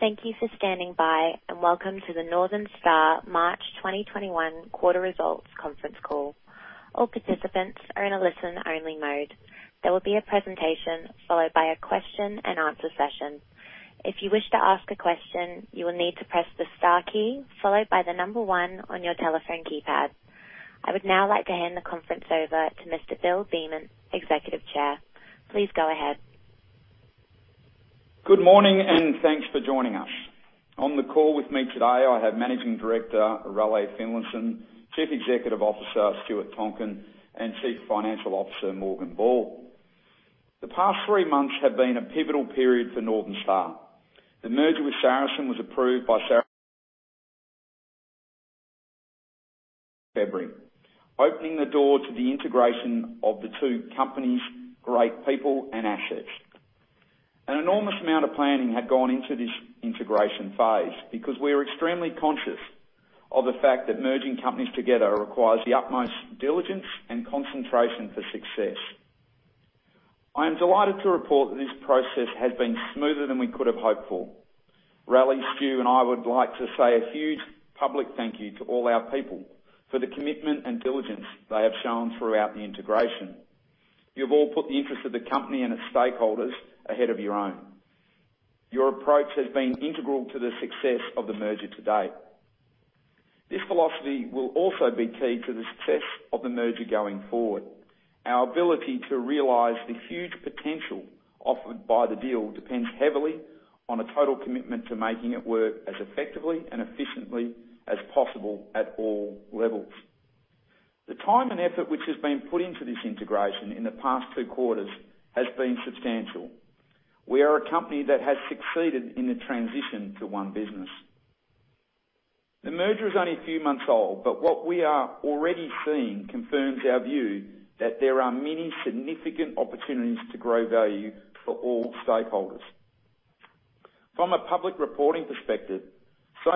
Thank you for standing by, and welcome to the Northern Star March 2021 quarter results conference call. All participants are in listen-only mode. There will be a presentation followed by a question-and-answer session. If you wish to ask a question, you will need to press the star key followed by the number one on your telephone keypad. I would now like to hand the conference over to Mr. Bill Beament, Executive Chair. Please go ahead. Good morning, and thanks for joining us. On the call with me today, I have Managing Director, Raleigh Finlayson, Chief Executive Officer, Stuart Tonkin, and Chief Financial Officer, Morgan Ball. The past three months have been a pivotal period for Northern Star. The merger with Saracen was approved February, opening the door to the integration of the two companies' great people and assets. An enormous amount of planning had gone into this integration phase because we are extremely conscious of the fact that merging companies together requires the utmost diligence and concentration for success. I am delighted to report that this process has been smoother than we could have hoped for. Raleigh, Stuart, and I would like to say a huge public thank you to all our people for the commitment and diligence they have shown throughout the integration. You've all put the interest of the company and its stakeholders ahead of your own. Your approach has been integral to the success of the merger to date. This philosophy will also be key to the success of the merger going forward. Our ability to realize the huge potential offered by the deal depends heavily on a total commitment to making it work as effectively and efficiently as possible at all levels. The time and effort which has been put into this integration in the past two quarters has been substantial. We are a company that has succeeded in the transition to one business. The merger is only a few months old. What we are already seeing confirms our view that there are many significant opportunities to grow value for all stakeholders. From a public reporting perspective,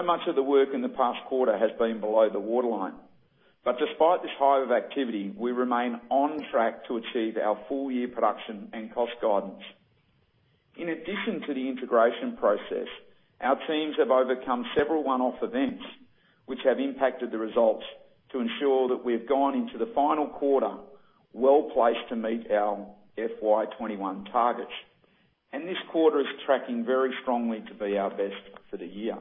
much of the work in the past quarter has been below the waterline. Despite this high level of activity, we remain on track to achieve our full-year production and cost guidance. In addition to the integration process, our teams have overcome several one-off events which have impacted the results to ensure that we have gone into the final quarter well-placed to meet our FY 2021 targets. This quarter is tracking very strongly to be our best for the year.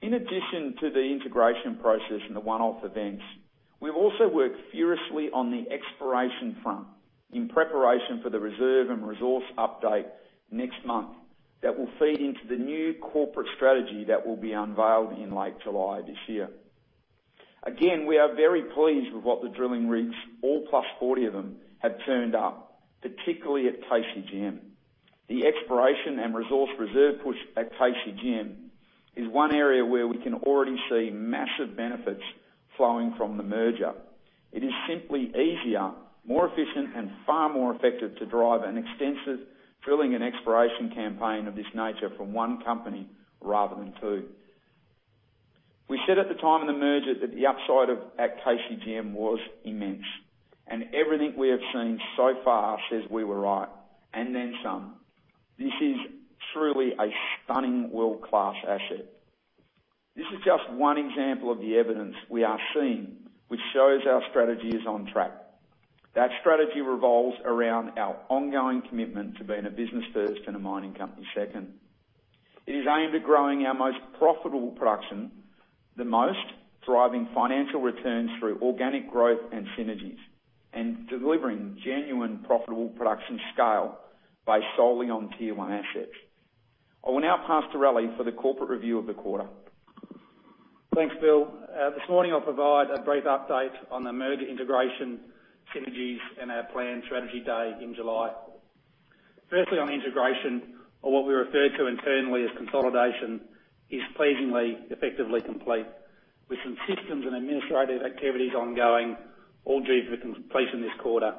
In addition to the integration process and the one-off events, we've also worked furiously on the exploration front in preparation for the reserve and resource update next month that will feed into the new corporate strategy that will be unveiled in late July this year. Again, we are very pleased with what the drilling rigs, all +40 of them, have turned up, particularly at KCGM. The exploration and resource reserve push at KCGM is one area where we can already see massive benefits flowing from the merger. It is simply easier, more efficient, and far more effective to drive an extensive drilling and exploration campaign of this nature from one company rather than two. We said at the time of the merger that the upside at KCGM was immense, and everything we have seen so far says we were right, and then some. This is truly a stunning world-class asset. This is just one example of the evidence we are seeing which shows our strategy is on track. That strategy revolves around our ongoing commitment to being a business first and a mining company second. It is aimed at growing our most profitable production the most, driving financial returns through organic growth and synergies, and delivering genuine profitable production scale based solely on Tier 1 assets. I will now pass to Raleigh for the corporate review of the quarter. Thanks, Bill. This morning I will provide a brief update on the merger integration synergies and our planned strategy day in July. Firstly, on integration or what we refer to internally as consolidation is pleasingly effectively complete with some systems and administrative activities ongoing all due for completion this quarter.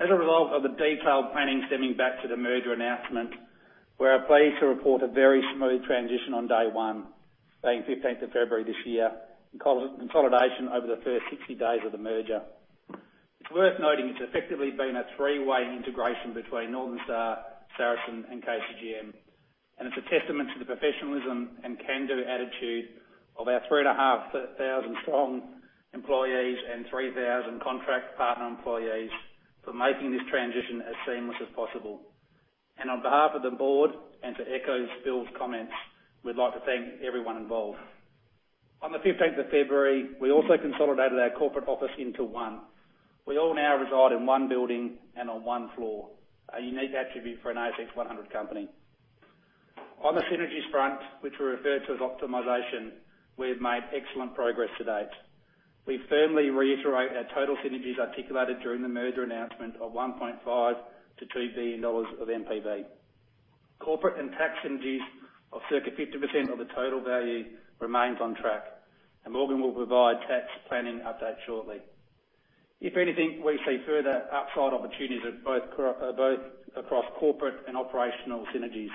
As a result of the detailed planning stemming back to the merger announcement, we are pleased to report a very smooth transition on day one, being February 15th this year, and consolidation over the first 60 days of the merger. It is worth noting it has effectively been a three-way integration between Northern Star, Saracen, and KCGM, and it is a testament to the professionalism and can-do attitude of our 3,500-strong employees and 3,000 contract partner employees for making this transition as seamless as possible. On behalf of the Board and to echo Bill's comments, we'd like to thank everyone involved. On February 15th, we also consolidated our corporate office into one. We all now reside in one building and on one floor, a unique attribute for an ASX 100 company. On the synergies front, which we refer to as optimization, we have made excellent progress to date. We firmly reiterate our total synergies articulated during the merger announcement of 1.5 billion-2 billion dollars of NPV. Corporate and tax synergies of circa 50% of the total value remains on track. Morgan will provide tax planning update shortly. If anything, we see further upside opportunities both across corporate and operational synergies,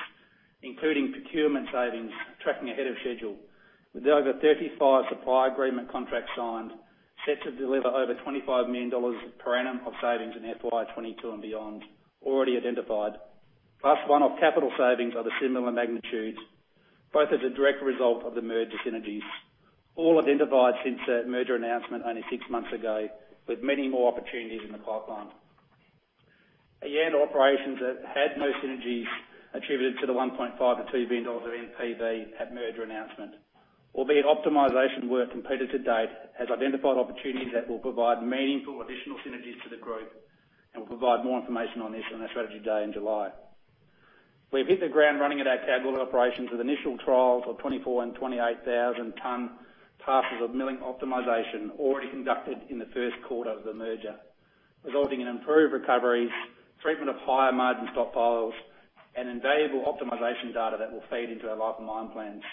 including procurement savings tracking ahead of schedule. With over 35 supply agreement contracts signed, set to deliver over AUD 25 million per annum of savings in FY 2022 and beyond, already identified. One-off capital savings of a similar magnitude, both as a direct result of the merger synergies. All identified since the merger announcement only six months ago, with many more opportunities in the pipeline. At Yandal Operations, it had no synergies attributed to the 1.5 billion-2 billion dollars of NPV at merger announcement. Albeit optimization work completed to date has identified opportunities that will provide meaningful additional synergies to the group and will provide more information on this on our strategy day in July. We've hit the ground running at our Kalgoorlie Operations with initial trials of 24,000 and 28,000 tonne parcels of milling optimization already conducted in the first quarter of the merger, resulting in improved recoveries, treatment of higher margin stockpiles, and invaluable optimization data that will feed into our life of mine plans.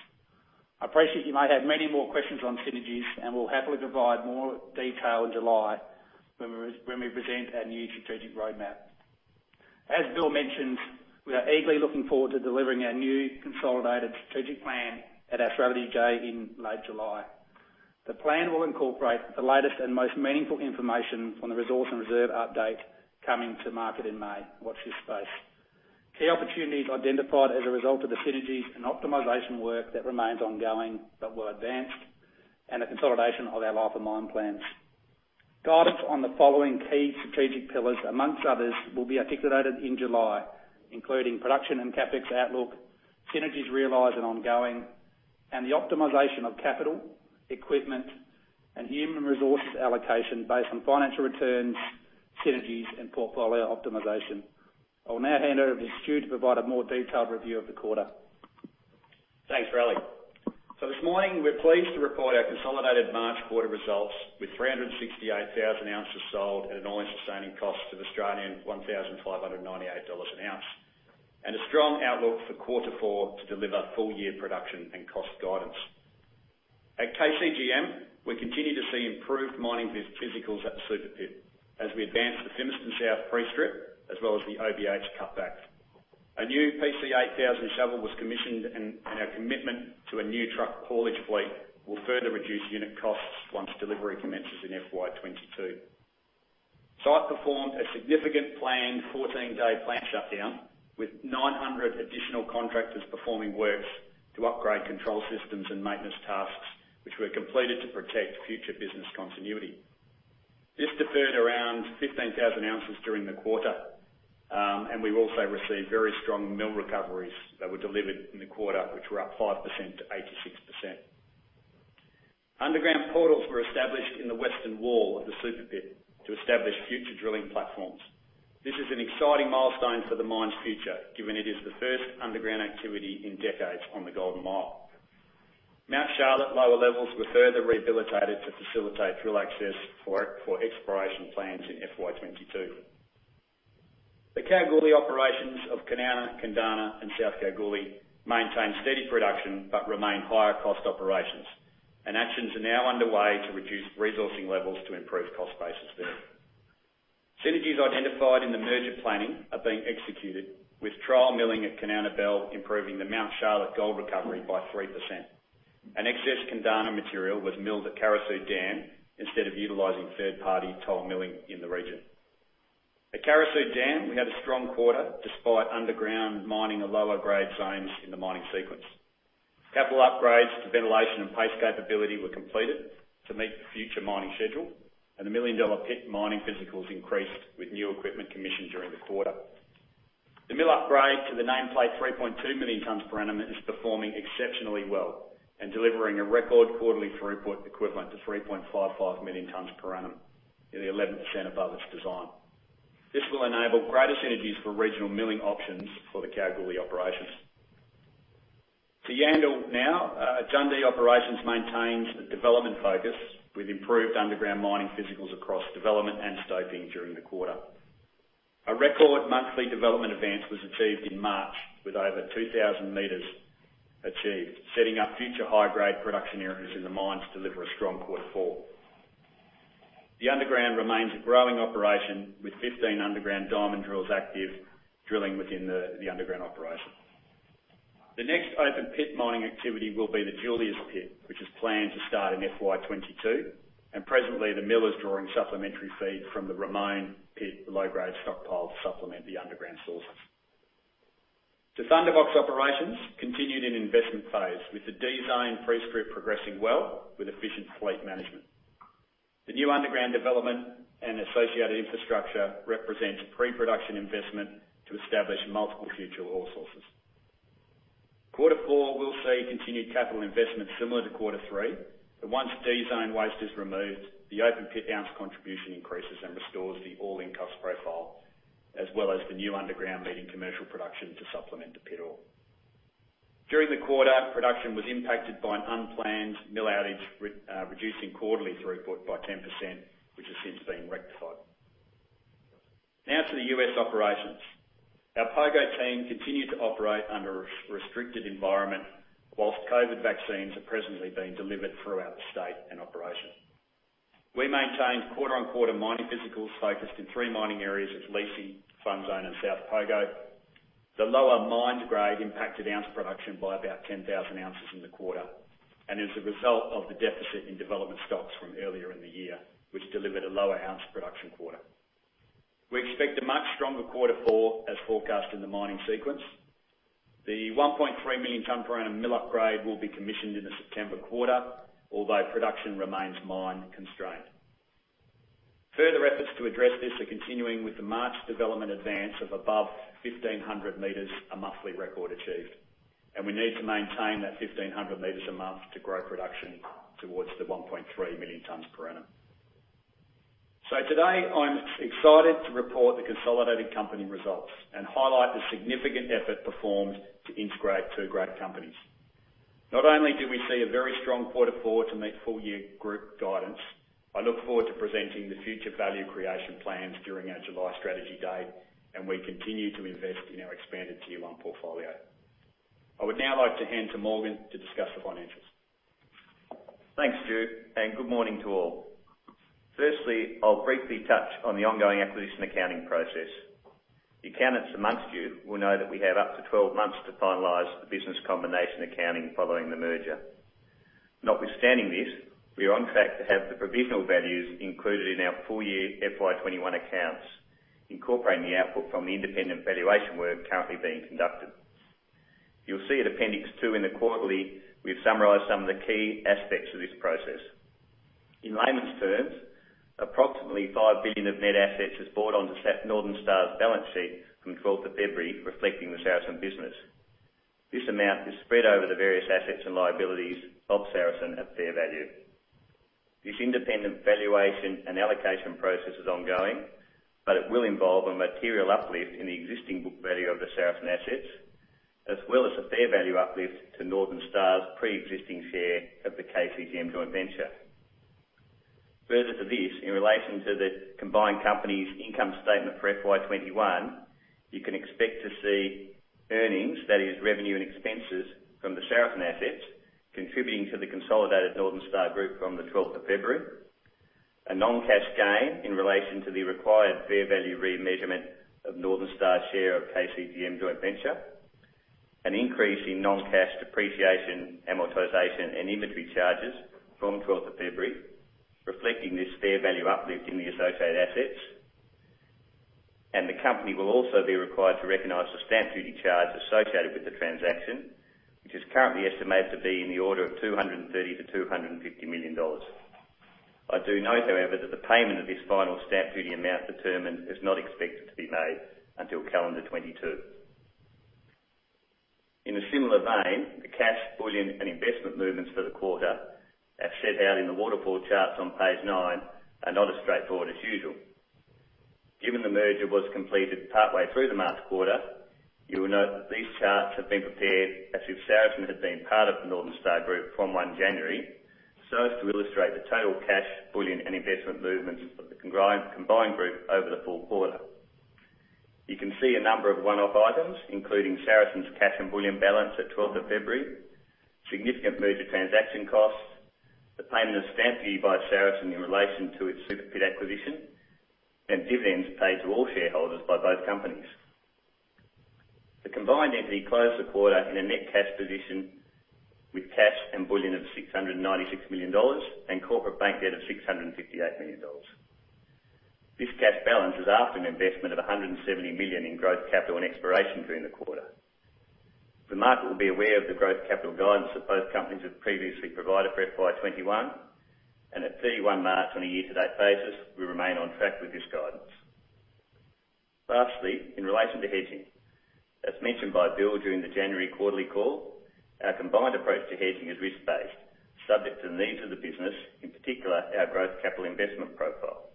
I appreciate you might have many more questions on synergies, and we'll happily provide more detail in July when we present our new strategic roadmap. As Bill mentioned, we are eagerly looking forward to delivering our new consolidated strategic plan at our strategy day in late July. The plan will incorporate the latest and most meaningful information on the resource and reserve update coming to market in May. Watch this space. Key opportunities identified as a result of the synergies and optimization work that remains ongoing but well advanced and a consolidation of our life of mine plans. Guidance on the following key strategic pillars, amongst others, will be articulated in July, including production and CapEx outlook, synergies realized and ongoing, and the optimization of capital, equipment, and human resource allocation based on financial returns, synergies, and portfolio optimization. I will now hand over to Stu to provide a more detailed review of the quarter. Thanks, Raleigh. This morning, we're pleased to report our consolidated March quarter results with 368,000 oz sold at an all-in sustaining cost of 1,598 Australian dollars/oz, and a strong outlook for quarter four to deliver full year production and cost guidance. At KCGM, we continue to see improved mining physicals at the Super Pit as we advance the Fimiston South pre-strip as well as the OBH cutback. A new PC8000 shovel was commissioned, and our commitment to a new truck haulage fleet will further reduce unit costs once delivery commences in FY 2022. Site performed a significant planned 14-day plant shutdown with 900 additional contractors performing works to upgrade control systems and maintenance tasks, which were completed to protect future business continuity. This deferred around 15,000 oz during the quarter. We also received very strong mill recoveries that were delivered in the quarter, which were up 5% to 8.6%. Underground portals were established in the western wall of the Super Pit to establish future drilling platforms. This is an exciting milestone for the mine's future, given it is the first underground activity in decades on the gold mine. Mount Charlotte lower levels were further rehabilitated to facilitate drill access for exploration plans in FY 2022. The Kalgoorlie operations of Kanowna, Kundana, and South Kalgoorlie maintain steady production but remain higher cost operations, and actions are now underway to reduce resourcing levels to improve cost base as well. Synergies identified in the merger planning are being executed with trial milling at Kanowna Belle improving the Mount Charlotte gold recovery by 3%. Excess Kundana material was milled at Carosue Dam instead of utilizing third-party toll milling in the region. At Carosue Dam, we had a strong quarter despite underground mining of lower grade zones in the mining sequence. Capital upgrades to ventilation and paste capability were completed to meet the future mining schedule. The Million Dollar pit mining physicals increased with new equipment commissioned during the quarter. The mill upgrade to the nameplate 3.2 million tons per annum is performing exceptionally well and delivering a record quarterly throughput equivalent to 3.55 million tons per annum, nearly 11% above its design. This will enable greater synergies for regional milling options for the Kalgoorlie operations. To Yandal now. Jundee Operations maintains a development focus with improved underground mining physicals across development and stoping during the quarter. A record monthly development advance was achieved in March with over 2,000 m achieved, setting up future high-grade production areas in the mine to deliver a strong quarter four. The underground remains a growing operation with 15 underground diamond drills active, drilling within the underground operation. The next open pit mining activity will be the Julius Pit, which is planned to start in FY 2022. Presently, the mill is drawing supplementary feed from the Ramone pit low-grade stockpile to supplement the underground sources. The Thunderbox Operations continued in investment phase with the D Zone pre-strip progressing well with efficient fleet management. The new underground development and associated infrastructure represent pre-production investment to establish multiple future ore sources. Quarter four will see continued capital investment similar to quarter three. Once D Zone waste is removed, the open pit ounce contribution increases and restores the all-in sustaining cost profile, as well as the new underground leading commercial production to supplement the pit ore. During the quarter, production was impacted by an unplanned mill outage, reducing quarterly throughput by 10%, which has since been rectified. Now to the U.S. operations. Our Pogo team continued to operate under a restricted environment whilst COVID vaccines are presently being delivered throughout the state and operation. We maintained quarter-on-quarter mining physicals focused in three mining areas of Liese, Fun Zone, and South Pogo. The lower mined grade impacted ounce production by about 10,000 oz in the quarter and is a result of the deficit in development stocks from earlier in the year, which delivered a lower ounce production quarter. We expect a much stronger quarter four, as forecast in the mining sequence. The 1.3 million tonne per annum mill upgrade will be commissioned in the September quarter, although production remains mine constrained. Further efforts to address this are continuing with the March development advance of above 1,500 m, a monthly record achieved. We need to maintain that 1,500 m a month to grow production towards the 1.3 million tons per annum. Today, I'm excited to report the consolidated company results and highlight the significant effort performed to integrate two great companies. Not only do we see a very strong quarter four to meet full year group guidance, I look forward to presenting the future value creation plans during our July strategy day, and we continue to invest in our expanded Tier 1 portfolio. I would now like to hand to Morgan to discuss the financials. Thanks, Stuart, good morning to all. Firstly, I'll briefly touch on the ongoing acquisition accounting process. The accountants amongst you will know that we have up to 12 months to finalize the business combination accounting following the merger. Notwithstanding this, we are on track to have the provisional values included in our full-year FY 2021 accounts, incorporating the output from the independent valuation work currently being conducted. You'll see at appendix two in the quarterly, we've summarized some of the key aspects of this process. In layman's terms, approximately 5 billion of net assets is brought onto Northern Star's balance sheet from February 12, reflecting the Saracen business. This amount is spread over the various assets and liabilities of Saracen at fair value. This independent valuation and allocation process is ongoing, but it will involve a material uplift in the existing book value of the Saracen assets, as well as a fair value uplift to Northern Star's preexisting share of the KCGM Joint Venture. Further to this, in relation to the combined company's income statement for FY 2021, you can expect to see earnings, that is revenue and expenses, from the Saracen assets contributing to the consolidated Northern Star group from February 12. A non-cash gain in relation to the required fair value remeasurement of Northern Star's share of KCGM Joint Venture. An increase in non-cash depreciation, amortization, and inventory charges from February 12, reflecting this fair value uplift in the associated assets. The company will also be required to recognize the stamp duty charge associated with the transaction, which is currently estimated to be in the order of 230 million-250 million dollars. I do note, however, that the payment of this final stamp duty amount determined is not expected to be made until calendar 2022. In a similar vein, the cash, bullion, and investment movements for the quarter as set out in the waterfall charts on page nine are not as straightforward as usual. Given the merger was completed partway through the March quarter, you will note that these charts have been prepared as if Saracen had been part of the Northern Star group from January 1, so as to illustrate the total cash, bullion, and investment movements of the combined group over the full quarter. You can see a number of one-off items, including Saracen's cash and bullion balance at February 12, significant merger transaction costs, the payment of stamp duty by Saracen in relation to its Super Pit acquisition, and dividends paid to all shareholders by both companies. The combined entity closed the quarter in a net cash position with cash and bullion of 696 million dollars and corporate bank debt of 658 million dollars. This cash balance is after an investment of 170 million in growth capital and exploration during the quarter. The market will be aware of the growth capital guidance that both companies have previously provided for FY 2021, and at March 31 on a year-to-date basis, we remain on track with this guidance. Lastly, in relation to hedging, as mentioned by Bill during the January quarterly call, our combined approach to hedging is risk-based, subject to the needs of the business, in particular our growth capital investment profile.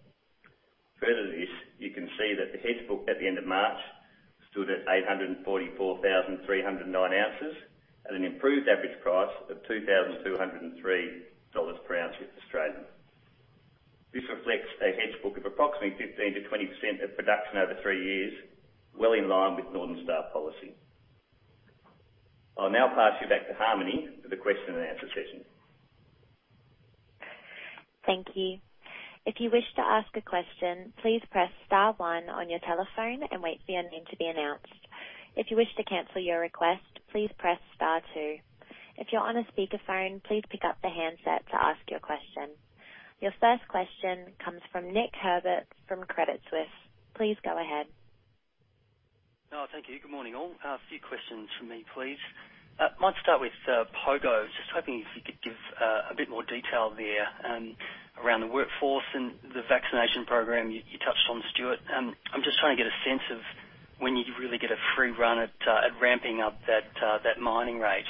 Further to this, you can see that the hedge book at the end of March stood at 844,309 oz, at an improved average price of 2,203 dollars/oz. This reflects a hedge book of approximately 15%-20% of production over three years. Well in line with Northern Star policy. I'll now pass you back to Harmony for the question-and-answer session. Thank you. If you wish to ask a question, please press star one on your telephone and wait to be announced. If you wish to cancel your request, please press star two. If you're on a speakerphone, please pick up the handset to ask your question. Your first question comes from Nick Herbert from Credit Suisse. Please go ahead. Thank you. Good morning, all. A few questions from me, please. Might start with Pogo. Hoping if you could give a bit more detail there around the workforce and the vaccination program you touched on, Stuart. I'm trying to get a sense of when you'd really get a free run at ramping up that mining rate.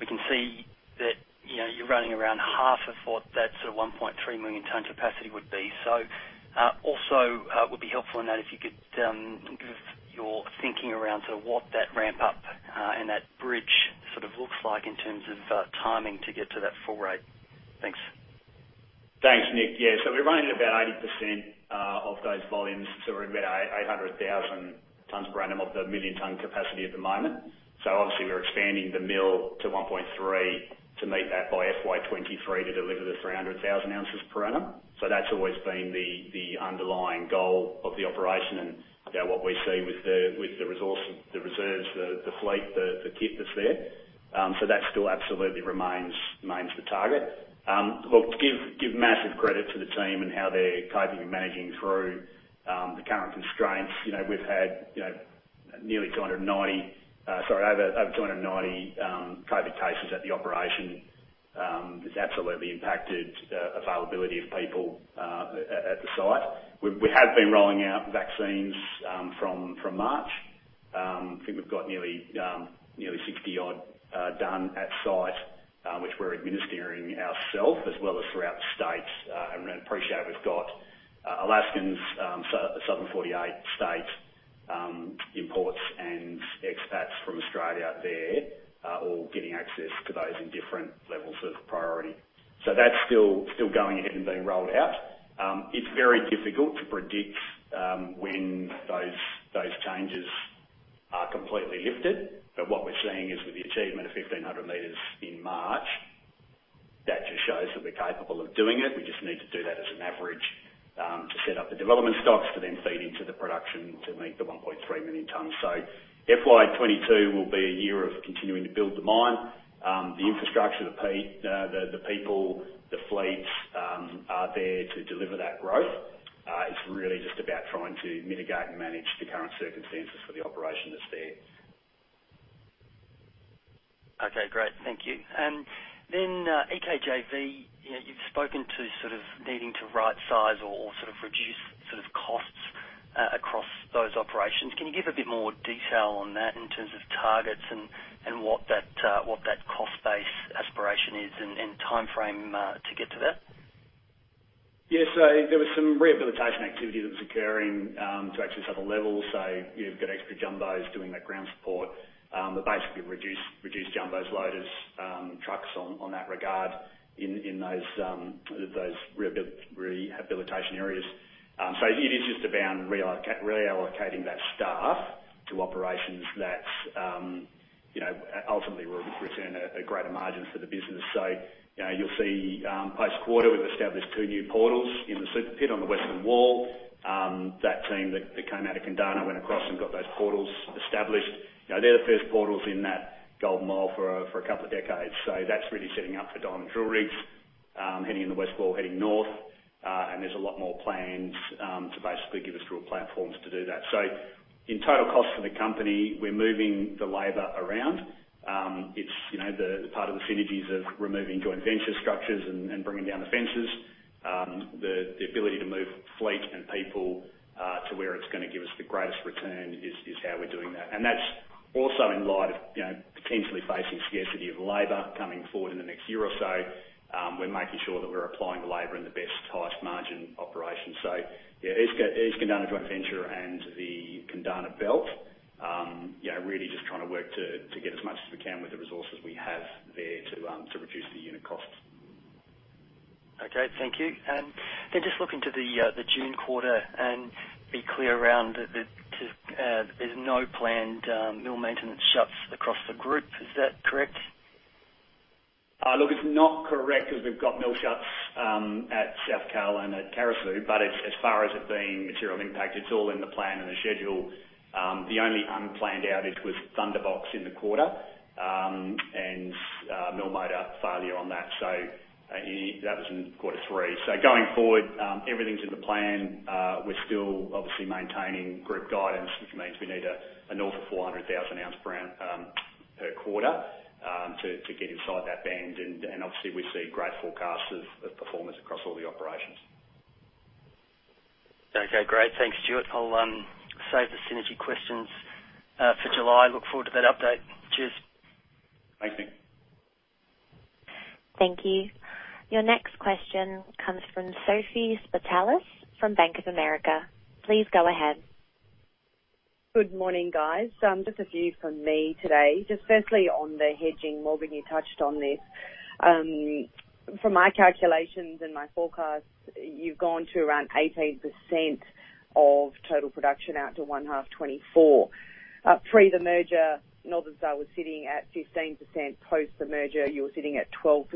We can see that you're running around half of what that 1.3 million tonne capacity would be. Would be helpful in that if you could give your thinking around what that ramp-up and that bridge looks like in terms of timing to get to that full rate. Thanks. Thanks, Nick. Yeah, we're running at about 80%. Of those volumes, we're about 800,000 tonne per annum of the 1 million tonne capacity at the moment. Obviously we're expanding the mill to 1.3 to meet that by FY 2023 to deliver the 300,000 oz per annum. That's always been the underlying goal of the operation and about what we see with the resource, the reserves, the fleet, the kit that's there. That still absolutely remains the target. Look, give massive credit to the team and how they're coping and managing through the current constraints. We've had over 290 COVID cases at the operation. It's absolutely impacted availability of people at the site. We have been rolling out vaccines from March. I think we've got nearly 60 odd done at site, which we're administering ourself as well as throughout the states. Appreciate we've got Alaskans, Southern 48 state imports, and expats from Australia up there all getting access to those in different levels of priority. That's still going ahead and being rolled out. It's very difficult to predict when those changes are completely lifted. What we're seeing is with the achievement of 1,500 m in March, that just shows that we're capable of doing it. We just need to do that as an average to set up the development stocks to then feed into the production to meet the 1.3 million tons. FY 2022 will be a year of continuing to build the mine. The infrastructure, the people, the fleets are there to deliver that growth. It's really just about trying to mitigate and manage the current circumstances for the operation that's there. Okay, great. Thank you. EKJV, you've spoken to sort of needing to right size or sort of reduce costs across those operations. Can you give a bit more detail on that in terms of targets and what that cost base aspiration is and timeframe to get to that? Yeah. There was some rehabilitation activity that was occurring to access other levels. You've got extra jumbos doing that ground support. Basically reduce jumbos, loaders, trucks on that regard in those rehabilitation areas. It is just around reallocating that staff to operations that ultimately will return a greater margin for the business. You'll see post quarter, we've established two new portals in the Super Pit on the western wall. That team that came out of Kundana went across and got those portals established. They're the first portals in that Golden Mile for a couple of decades. That's really setting up for diamond drill rigs, heading in the west wall, heading north. There's a lot more plans, to basically give us drill platforms to do that. In total cost for the company, we're moving the labor around. It's part of the synergies of removing joint venture structures and bringing down the fences. The ability to move fleet and people to where it's going to give us the greatest return is how we're doing that. That's also in light of potentially facing scarcity of labor coming forward in the next year or so. We're making sure that we're applying the labor in the best, highest margin operations. Yeah, East Kundana Joint Venture and the Kundana Belt, really just trying to work to get as much as we can with the resources we have there to reduce the unit costs. Okay, thank you. Just looking to the June quarter and be clear around that there's no planned mill maintenance shuts across the group. Is that correct? Look, it's not correct as we've got mill shuts at South Kal and at Carosue. As far as it being material impact, it's all in the plan and the schedule. The only unplanned outage was Thunderbox in the quarter, and mill motor failure on that. That was in Q3. Going forward, everything's in the plan. We're still obviously maintaining group guidance, which means we need a north of 400,000 oz per annum, per quarter, to get inside that band. Obviously, we see great forecasts of performance across all the operations. Okay, great. Thanks, Stuart. I'll save the synergy questions for July. Look forward to that update. Cheers. Thank you. Thank you. Your next question comes from Sophie Spartalis from Bank of America. Please go ahead. Good morning, guys. Just a few from me today, just firstly on the hedging, Morgan, you touched on this. From my calculations and my forecast, you've gone to around 18% of total production out to one half 2024. Pre the merger, Northern Star was sitting at 15%. Post the merger, you were sitting at 12%.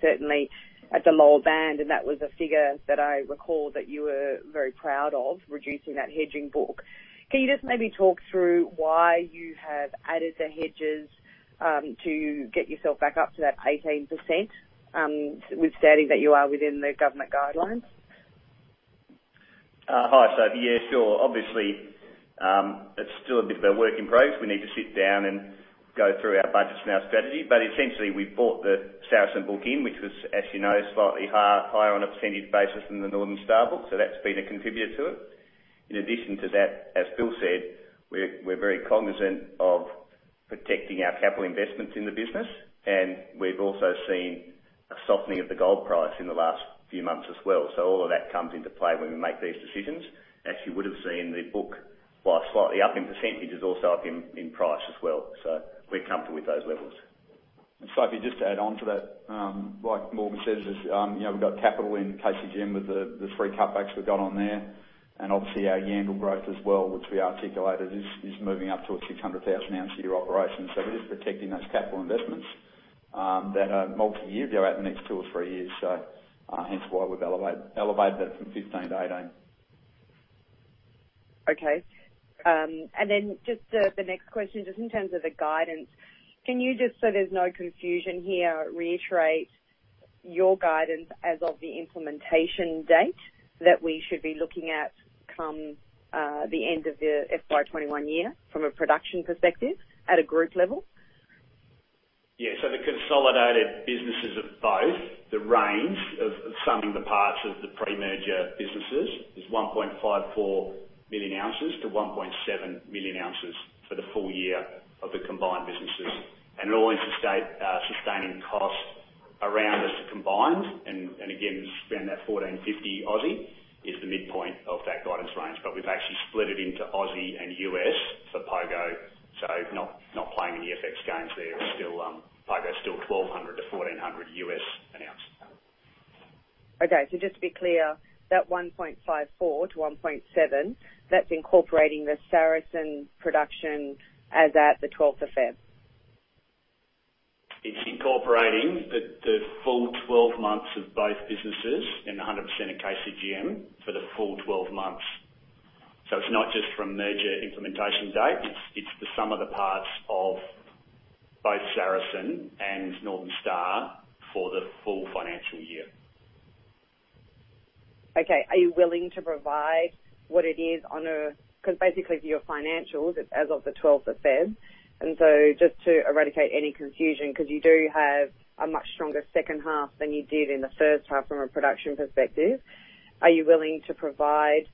Certainly, at the lower band, and that was a figure that I recall that you were very proud of reducing that hedging book. Can you just maybe talk through why you have added the hedges, to get yourself back up to that 18%, with stating that you are within the government guidelines? Hi, Sophie. Yeah, sure. Obviously, it's still a bit of a work in progress. We need to sit down and go through our budgets and our strategy. Essentially, we bought the Saracen book in, which was, as you know, slightly higher on a percentage basis than the Northern Star book. That's been a contributor to it. In addition to that, as Bill said, we're very cognizant of protecting our capital investments in the business, and we've also seen a softening of the gold price in the last few months as well. All of that comes into play when we make these decisions. As you would have seen the book, while slightly up in percentage, is also up in price as well. We're comfortable with those levels. Sophie, just to add on to that, like Morgan says, we've got capital in KCGM with the three cutbacks we've got on there, and obviously our Yandal growth as well, which we articulated, is moving up to a 600,000 oz a year operation. We're just protecting those capital investments that are multi-year, they're out in the next two or three years. Hence why we've elevated that from 15 to 18. Okay. The next question, just in terms of the guidance, can you just, so there's no confusion here, reiterate your guidance as of the implementation date that we should be looking at come the end of the FY 2021 year from a production perspective at a group level? Yeah. The consolidated businesses of both, the range of summing the parts of the pre-merger businesses is 1.54 million-1.7 million oz for the full year of the combined businesses. All-in sustaining cost around us combined, and again, around that 1,450 is the midpoint of that guidance range. We've actually split it into AUD and USD for Pogo, so not playing any FX gains there. Pogo is still $1,200-$1,400 an oz. Okay. Just to be clear, that 1.54 million-1.7 million, that's incorporating the Saracen production as at February 12? It's incorporating the full 12 months of both businesses and 100% of KCGM for the full 12 months. It's not just from merger implementation date, it's the sum of the parts of both Saracen and Northern Star for the full financial year. Okay. Are you willing to provide what it is? Because basically for your financials, it's as of February 12. Just to eradicate any confusion, because you do have a much stronger second half than you did in the first half from a production perspective, are you willing to provide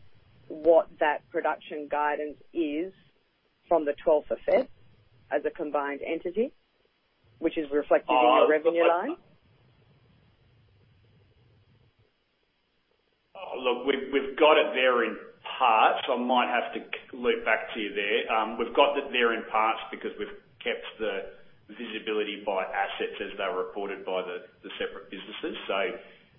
what that production guidance is from February 12 as a combined entity, which is reflected in your revenue line? We've got it there in parts. I might have to loop back to you there. We've got that there in parts because we've kept the visibility by assets as they were reported by the separate businesses.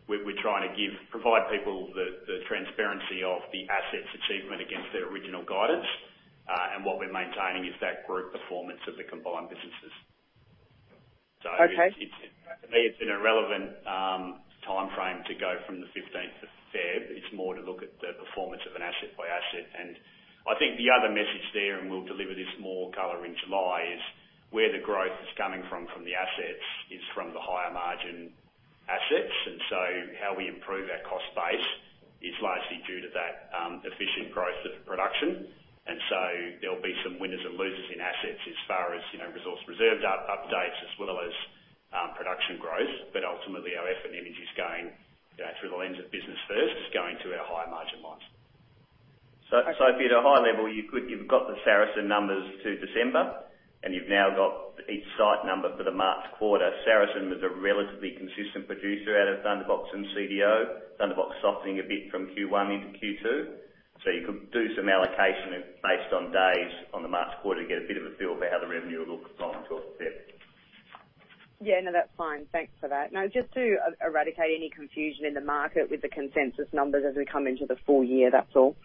We're trying to provide people the transparency of the asset's achievement against their original guidance. What we're maintaining is that group performance of the combined businesses. Okay. To me, it is an irrelevant timeframe to go from the February 15th. It is more to look at the performance of an asset by asset. I think the other message there, we will deliver this more color in July, is where the growth is coming from the assets, is from the higher margin assets. How we improve our cost base is largely due to that efficient growth of production. There will be some winners and losers in assets as far as resource reserve updates as well as production growth. Ultimately, our effort and energy is going through the lens of business first, is going to our higher margin mines. If you are at a high level, you have got the Saracen numbers to December, you have now got each site number for the March quarter. Saracen was a relatively consistent producer out of Thunderbox and CDO. Thunderbox softening a bit from Q1 into Q2. You could do some allocation based on days on the March quarter to get a bit of a feel for how the revenue will look from the Feb 15th. Yeah. No, that's fine. Thanks for that. Just to eradicate any confusion in the market with the consensus numbers as we come into the full year, that's all.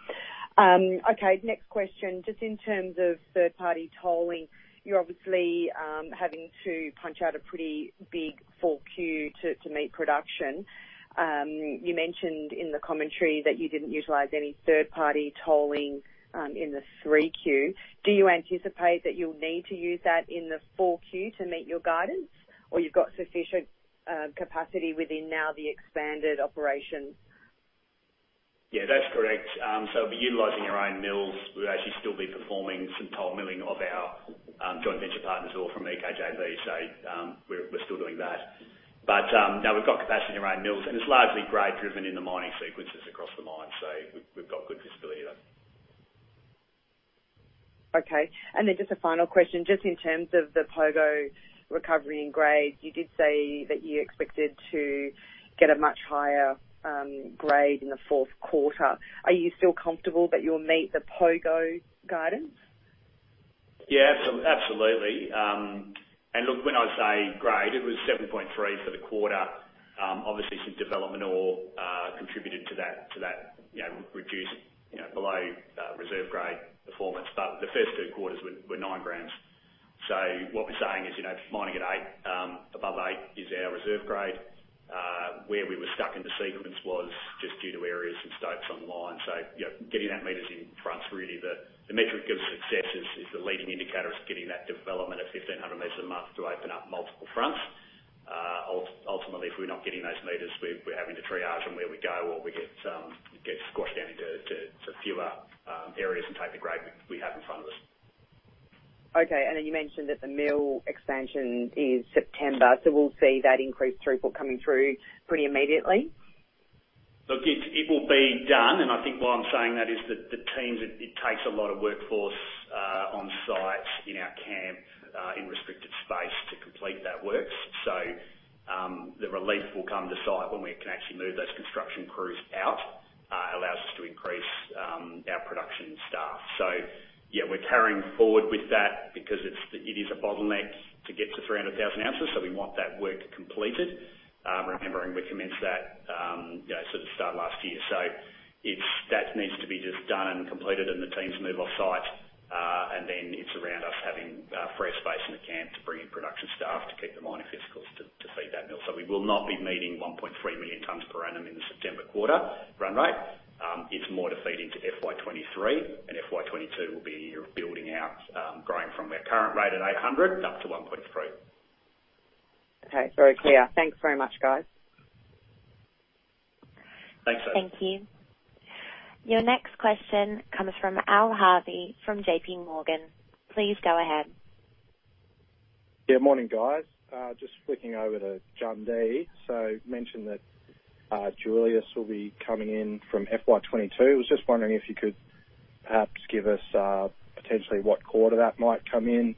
Okay, next question. Just in terms of third-party tolling, you're obviously having to punch out a pretty big 4Q to meet production. You mentioned in the commentary that you didn't utilize any third-party tolling in the 3Q. Do you anticipate that you'll need to use that in the 4Q to meet your guidance? Or you've got sufficient capacity within now the expanded operation? That's correct. We're utilizing our own mills. We'll actually still be performing some toll milling of our joint venture partners or from EKJV. We're still doing that. No, we've got capacity in our own mills, and it's largely grade-driven in the mining sequences across the mine. We've got good visibility there. Okay. Then just a final question, just in terms of the Pogo recovery in grade, you did say that you expected to get a much higher grade in the fourth quarter. Are you still comfortable that you'll meet the Pogo guidance? Yeah, absolutely. Look, when I say grade, it was 7.3 for the quarter. Obviously, some development ore contributed to that reduced below reserve grade performance. The first two quarters were 9 g. What we're saying is mining at 8, above 8 is our reserve grade. Where we were stuck in the sequence was just due to areas and stopes on the line. Getting our meters in fronts, really the metric of success is the leading indicator is getting that development of 1,500 m a month to open up multiple fronts. Ultimately, if we're not getting those meters, we're having to triage them where we go, or we get squashed down into fewer areas and take the grade we have in front of us. Okay. You mentioned that the mill expansion is September, we'll see that increased throughput coming through pretty immediately? Look, it will be done, I think why I am saying that is the teams, it takes a lot of workforce on site in our camp, in restricted space to complete that works. The relief will come to site when we can actually move those construction crews out. Allows us to increase our production staff. Yeah, we're carrying forward with that because it is a bottleneck to get to 300,000 oz. We want that work completed, remembering we commenced that start of last year. That needs to be just done and completed and the teams move offsite, and then it's around us having fresh space in the camp to bring in production staff to keep the mining physicals to feed that mill. We will not be meeting 1.3 million tons per annum in the September quarter run rate. It's more to feed into FY 2023, and FY 2022 will be building out, growing from our current rate at 800 and up to 1.3. Okay, very clear. Thanks very much, guys. Thanks, Sophie. Thank you. Your next question comes from Al Harvey from JPMorgan. Please go ahead. Yeah, morning, guys. Just flicking over to Jundee. You mentioned that Julius will be coming in from FY 2022. I was just wondering if you could perhaps give us potentially what quarter that might come in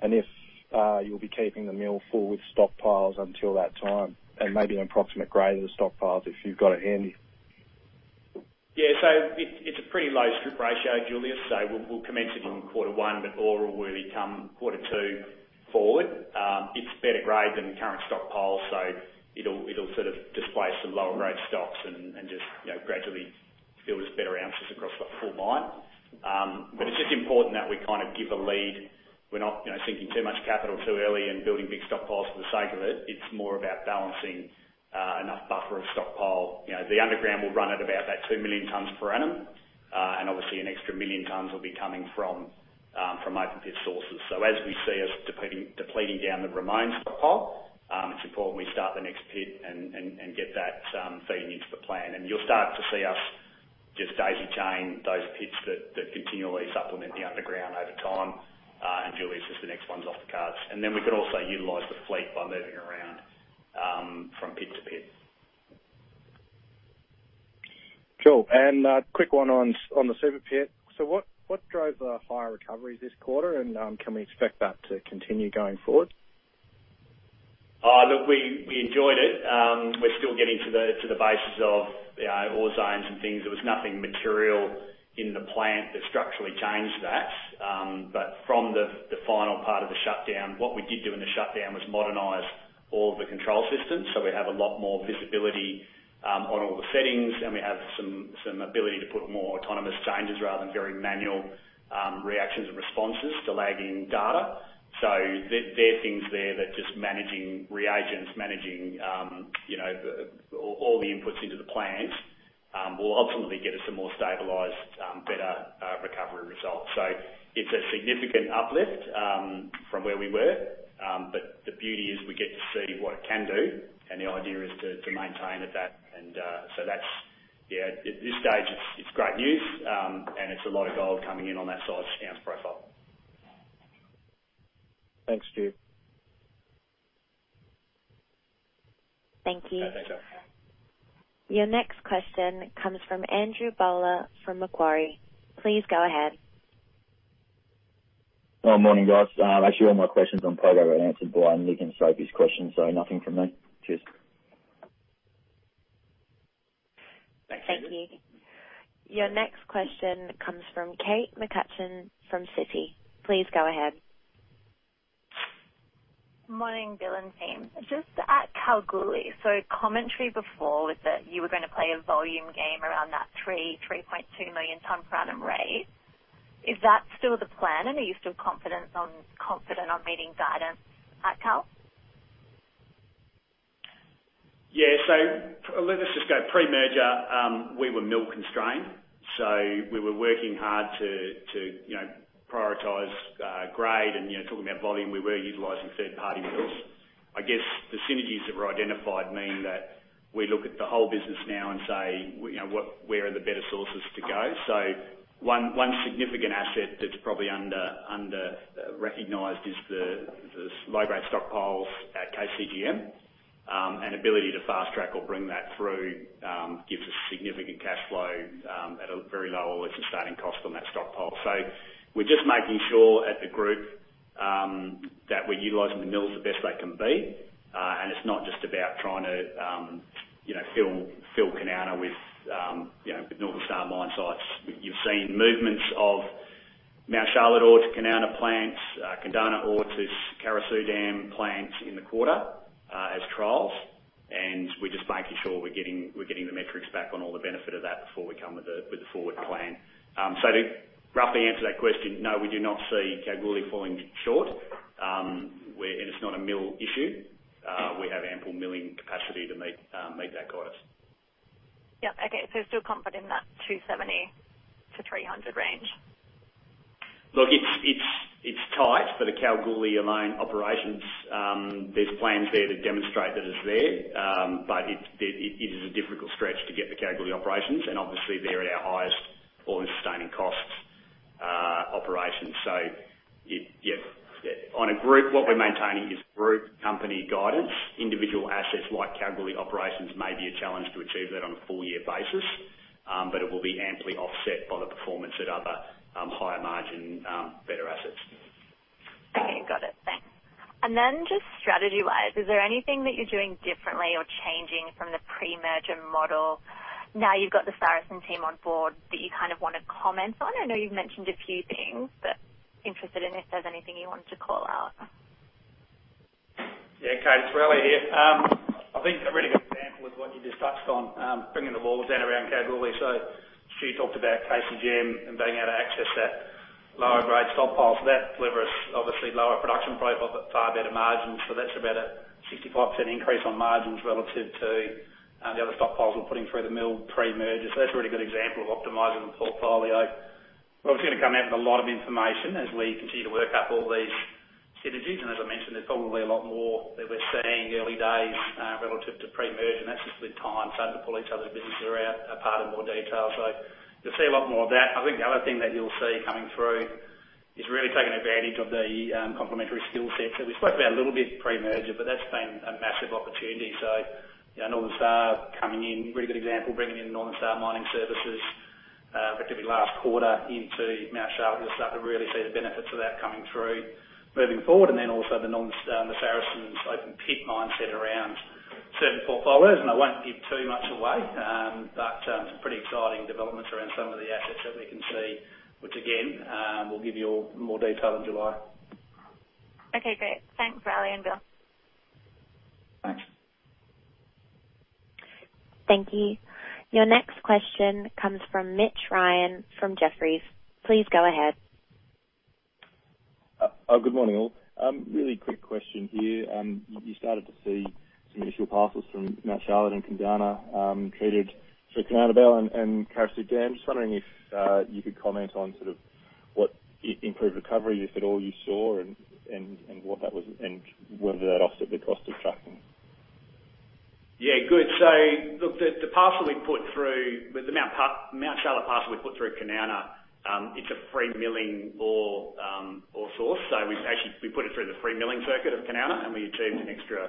and if you'll be keeping the mill full with stockpiles until that time? Maybe an approximate grade of the stockpiles, if you've got it handy. Yeah. It's a pretty low strip ratio, Julius. We'll commence it in quarter one, but ore will come quarter two forward. It's better grade than the current stockpile, so it'll displace some lower-grade stocks and just gradually fill with better ounces across the full mine. It's just important that we give a lead. We're not sinking too much capital too early and building big stockpiles for the sake of it. It's more about balancing enough buffer of stockpile. The underground will run at about that 2 million tons per annum. Obviously an extra million tons will be coming from open pit sources. As we see us depleting down the Ramone stockpile, it's important we start the next pit and get that feeding into the plan. You'll start to see us just daisy chain those pits that continually supplement the underground over time. Julius is the next ones off the cards. We could also utilize the fleet by moving around from pit to pit. Cool. A quick one on the Super Pit. What drove the higher recoveries this quarter, and can we expect that to continue going forward? Look, we enjoyed it. We're still getting to the bases of ore zones and things. There was nothing material in the plant that structurally changed that. From the final part of the shutdown, what we did do in the shutdown was modernize all of the control systems. We have a lot more visibility on all the settings, and we have some ability to put more autonomous changes rather than very manual reactions and responses to lagging data. There are things there that just managing reagents, managing all the inputs into the plants, will ultimately get us a more stabilized, better recovery result. It's a significant uplift from where we were. The beauty is we get to see what it can do, and the idea is to maintain at that. At this stage, it's great news, and it's a lot of gold coming in on that size ounce profile. Thanks, Stu. Thank you. No, thanks, Al. Your next question comes from Andrew Bowler from Macquarie. Please go ahead. Morning, guys. Actually, all my questions on progress were answered by Nick and Sophie's question. Nothing from me. Cheers. Thanks, Andrew. Thank you. Your next question comes from Kate McCutcheon from Citi. Please go ahead. Morning, Bill and team. Just at Kalgoorlie. Commentary before was that you were going to play a volume game around that three, 3.2 million tonne per annum rate. Is that still the plan, and are you still confident on meeting guidance at Kal? Yeah. Let us just go pre-merger, we were mill constrained. We were working hard to prioritize grade and talking about volume, we were utilizing third-party mills. I guess the synergies that were identified mean that we look at the whole business now and say, "Where are the better sources to go?" One significant asset that's probably under-recognized is the low-grade stockpiles at KCGM. An ability to fast track or bring that through gives us significant cash flow at a very low all-in sustaining cost on that stockpile. We're just making sure at the group that we're utilizing the mills the best they can be. It's not just about trying to fill Kanowna with Northern Star mine sites. You've seen movements of Mount Charlotte ore to Kanowna plants, Kundana ore to Carosue Dam plants in the quarter as trials. We're just making sure we're getting the metrics back on all the benefit of that before we come with the forward plan. To roughly answer that question, no, we do not see Kalgoorlie falling short. It's not a mill issue. We have ample milling capacity to meet that guidance. Yep. Okay. Still confident in that 270-300 range? Look, it's tight for the Kalgoorlie Operations. There's plans there to demonstrate that it's there. It is a difficult stretch to get the Kalgoorlie Operations, and obviously they're at our highest all-in sustaining cost operations. On a group, what we're maintaining is group company guidance. Individual assets like Kalgoorlie Operations may be a challenge to achieve that on a full year basis. It will be amply offset by the performance at other higher margin, better assets. Then just strategy-wise, is there anything that you're doing differently or changing from the pre-merger model now you've got the Saracen team on board that you want to comment on? I know you've mentioned a few things, but interested in if there's anything you wanted to call out. Yeah, Kate, it's Raleigh here. I think a really good example is what you just touched on, bringing the ore down around Kalgoorlie. She talked about KCGM and being able to access that lower grade stockpile. That delivers obviously lower production profile, but far better margins. That's about a 65% increase on margins relative to the other stockpiles we're putting through the mill pre-merger. We're obviously going to come out with a lot of information as we continue to work up all these synergies. As I mentioned, there's probably a lot more that we're seeing early days, relative to pre-merger, and that's just with time starting to pull each other's business apart in more detail. You'll see a lot more of that. I think the other thing that you'll see coming through is really taking advantage of the complimentary skill sets. We spoke about a little bit pre-merger, but that's been a massive opportunity. Northern Star coming in, really good example, bringing in Northern Star Mining Services, particularly last quarter into Mount Charlotte. You'll start to really see the benefits of that coming through moving forward. Also the Saracen's open pit mindset around certain portfolios, and I won't give too much away. Some pretty exciting developments around some of the assets that we can see, which again, we'll give you all more detail in July. Okay, great. Thanks, Raleigh and Bill. Thanks. Thank you. Your next question comes from Mitch Ryan from Jefferies. Please go ahead. Good morning, all. Really quick question here. You started to see some initial parcels from Mount Charlotte and Kundana treated through Kanowna Belle and Carosue Dam. Just wondering if you could comment on what improved recovery, if at all, you saw and whether that offset the cost of trucking? Yeah, good. Look, the parcel we put through with the Mount Charlotte parcel we put through Kanowna, it's a free milling ore source. We put it through the free milling circuit of Kanowna, and we achieved an extra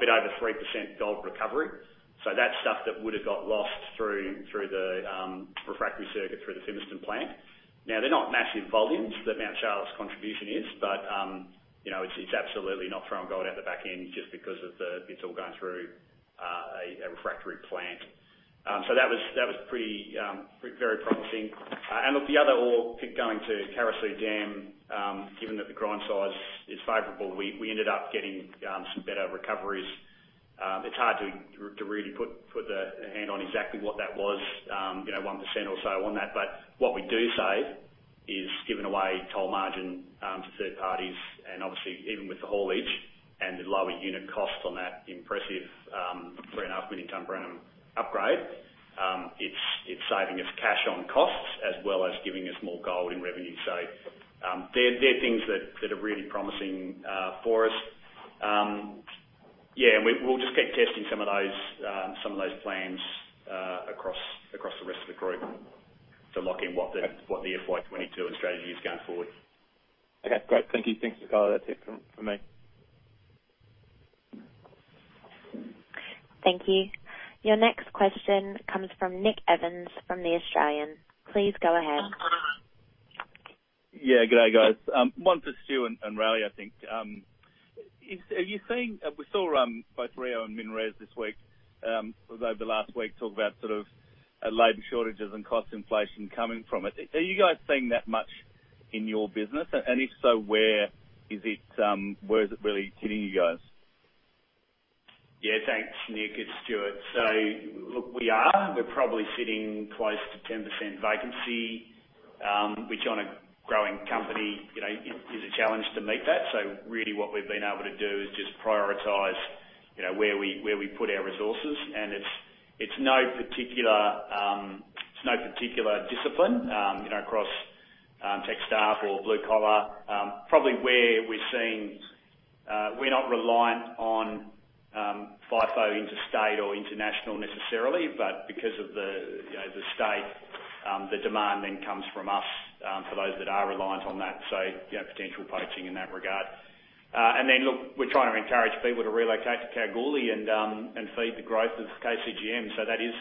bit over 3% gold recovery. That's stuff that would've got lost through the refractory circuit through the Fimiston Plant. Now, they're not massive volumes that Mount Charlotte's contribution is, but it's absolutely not throwing gold out the back end just because it's all going through a refractory plant. That was very promising. Look, the other ore pit going to Carosue Dam, given that the grind size is favorable, we ended up getting some better recoveries. It's hard to really put a hand on exactly what that was, 1% or so on that. What we do say is giving away toll margin to third parties, and obviously even with the haulage and the lower unit cost on that impressive 3.5 million tonne per annum upgrade, it's saving us cash on costs as well as giving us more gold in revenue. They're things that are really promising for us. Yeah, we'll just keep testing some of those plans across the rest of the group to lock in what the FY 2022 strategy is going forward. Okay, great. Thank you. Thanks, guys. That's it from me. Thank you. Your next question comes from Nick Evans from The Australian. Please go ahead. Yeah, good day, guys. One for Stuart and Raleigh, I think. We saw both Rio and MinRes this week, over the last week, talk about labor shortages and cost inflation coming from it. Are you guys seeing that much in your business? If so, where is it really hitting you guys? Thanks, Nick. It's Stuart. Look, we are. We're probably sitting close to 10% vacancy, which on a growing company is a challenge to meet that. Really what we've been able to do is just prioritize where we put our resources, and it's no particular discipline across tech staff or blue collar. Probably where we're seeing we're not reliant on FIFO, interstate or international necessarily, but because of the state, the demand then comes from us, for those that are reliant on that, so potential poaching in that regard. Look, we're trying to encourage people to relocate to Kalgoorlie and feed the growth of KCGM. That is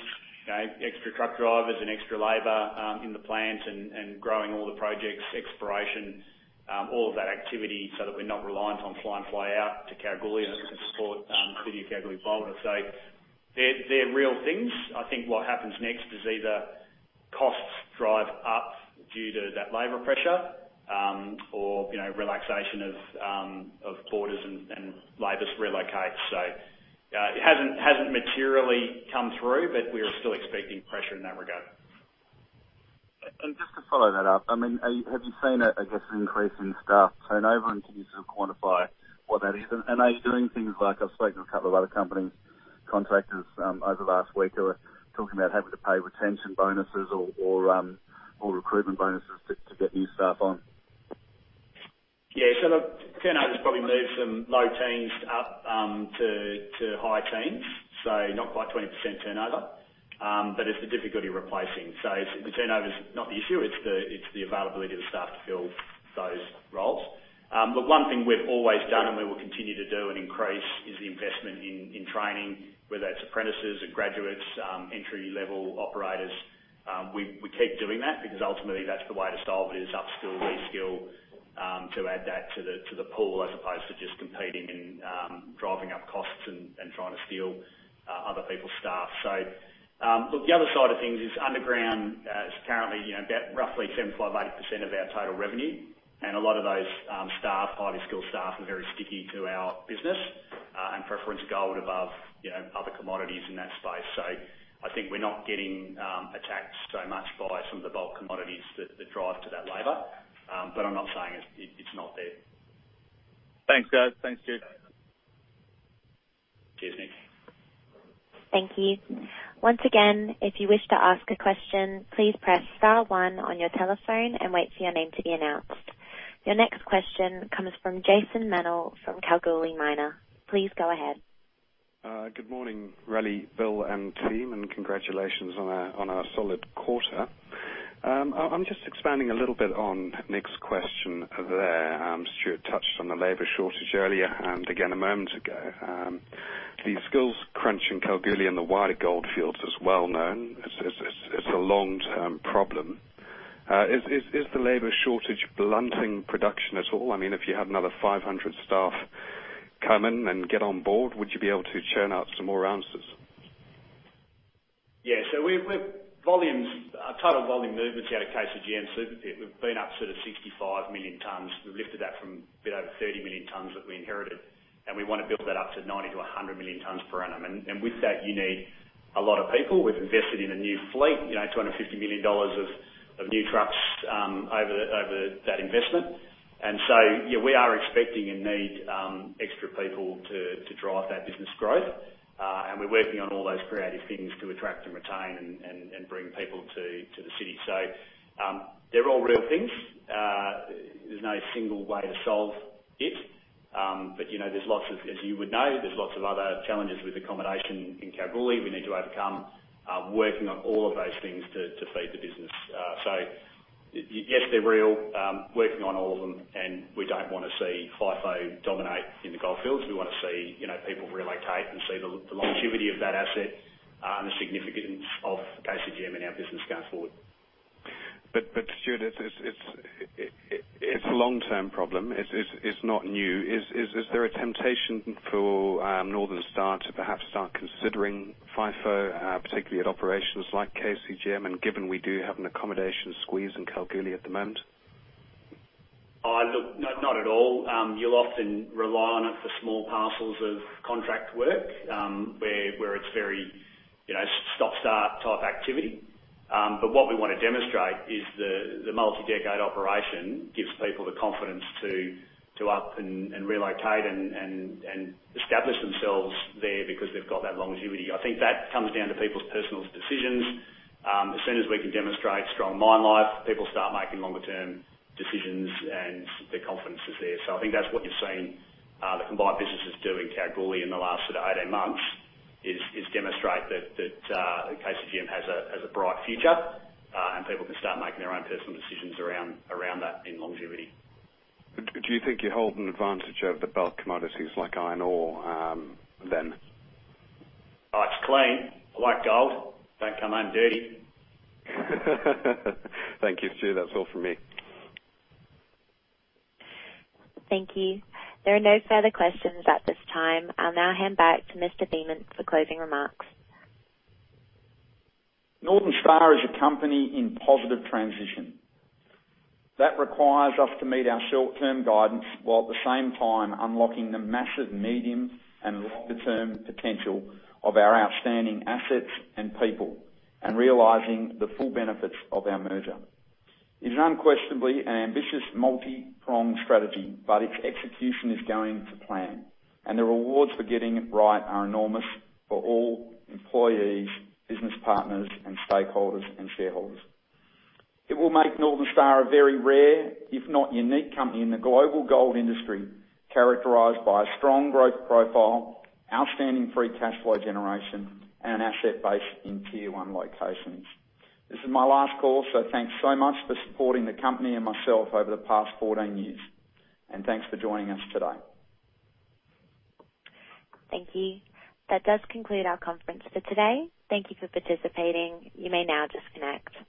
extra truck drivers and extra labor in the plant and growing all the projects, exploration, all of that activity, so that we're not reliant on fly in, fly out to Kalgoorlie to support the city of Kalgoorlie-Boulder. They're real things. I think what happens next is either costs drive up due to that labor pressure, or relaxation of borders and labors relocates. It hasn't materially come through, but we are still expecting pressure in that regard. Just to follow that up, have you seen an increase in staff turnover? Can you sort of quantify what that is? Are you doing things like, I spoke to a couple of other companies, contractors over the last week who are talking about having to pay retention bonuses or recruitment bonuses to get new staff on. Yeah, look, turnovers probably moved from low teens up to high teens, so not quite 20% turnover. It's the difficulty replacing. The turnover's not the issue, it's the availability of the staff to fill those roles. Look, one thing we've always done, and we will continue to do and increase is the investment in training, whether that's apprentices or graduates, entry level operators. We keep doing that because ultimately that's the way to solve it, is up-skill, re-skill. To add that to the pool, as opposed to just competing and driving up costs and trying to steal other people's staff. Look, the other side of things is underground is currently about roughly 75%-80% of our total revenue, and a lot of those staff, highly skilled staff, are very sticky to our business and preference gold above other commodities in that space. I think we're not getting attacked so much by some of the bulk commodities that drive to that labor. I'm not saying it's not there. Thanks, guys. Thanks, Stuart. Cheers, Nick. Thank you. Once again, if you wish to ask a question, please press star one on your telephone and wait for your name to be announced. Your next question comes from Jason Mennell from Kalgoorlie Miner. Please go ahead. Good morning, Raleigh, Bill, and team, and congratulations on a solid quarter. I'm just expanding a little bit on Nick's question there. Stuart touched on the labor shortage earlier and again a moment ago. The skills crunch in Kalgoorlie and the wider Goldfields is well known. It's a long-term problem. Is the labor shortage blunting production at all? If you have another 500 staff come in and get on board, would you be able to churn out some more ounces? Yeah. Our total volume movements out of KCGM Super Pit, we've been up sort of 65 million tonnes. We've lifted that from a bit over 30 million tonnes that we inherited, we want to build that up to 90 million-100 million tonnes per annum. With that, you need a lot of people. We've invested in a new fleet, 250 million dollars of new trucks over that investment. Yeah, we are expecting and need extra people to drive that business growth. We're working on all those creative things to attract, retain, and bring people to the city. They're all real things. There's no single way to solve it. As you would know, there's lots of other challenges with accommodation in Kalgoorlie we need to overcome, working on all of those things to feed the business. Yes, they're real, working on all of them, and we don't want to see FIFO dominate in the Goldfields. We want to see people relocate and see the longevity of that asset and the significance of KCGM and our business going forward. Stuart, it's a long-term problem. It's not new. Is there a temptation for Northern Star to perhaps start considering FIFO, particularly at operations like KCGM, and given we do have an accommodation squeeze in Kalgoorlie at the moment? Look, not at all. You'll often rely on it for small parcels of contract work, where it's very stop-start type activity. What we want to demonstrate is the multi-decade operation gives people the confidence to up and relocate and establish themselves there because they've got that longevity. I think that comes down to people's personal decisions. As soon as we can demonstrate strong mine life, people start making longer-term decisions, and their confidence is there. I think that's what you're seeing the combined businesses do in Kalgoorlie in the last sort of 18 months, is demonstrate that KCGM has a bright future, and people can start making their own personal decisions around that in longevity. Do you think you hold an advantage over the bulk commodities like iron ore, then? It's clean. I like gold. Don't come home dirty. Thank you, Stuart. That's all from me. Thank you. There are no further questions at this time. I will now hand back to Mr. Beament for closing remarks. Northern Star is a company in positive transition. That requires us to meet our short-term guidance, while at the same time unlocking the massive medium and longer-term potential of our outstanding assets and people and realizing the full benefits of our merger. It is unquestionably an ambitious multi-pronged strategy, but its execution is going to plan, and the rewards for getting it right are enormous for all employees, business partners, and stakeholders and shareholders. It will make Northern Star a very rare, if not unique, company in the global gold industry, characterized by a strong growth profile, outstanding free cash flow generation, and an asset base in tier-one locations. This is my last call. Thanks so much for supporting the company and myself over the past 14 years. Thanks for joining us today. Thank you. That does conclude our conference for today. Thank you for participating. You may now disconnect.